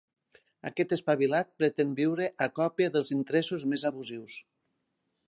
Aquest espavilat pretén viure a còpia dels interessos més abusius.